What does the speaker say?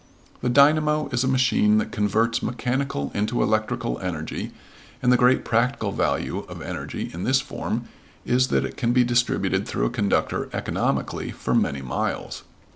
The dynamo is a machine that converts mechanical into electrical energy, and the great practical value of energy in this form is that it can be distributed through a conductor economically for many miles.